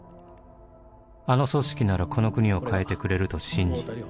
「あの組織ならこの国を変えてくれると信じ」